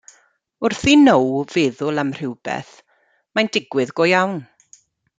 Wrth i Now feddwl am rywbeth, mae'n digwydd go iawn.